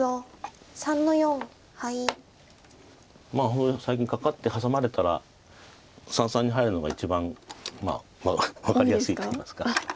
本当最近カカってハサまれたら三々に入るのが一番分かりやすいといいますか。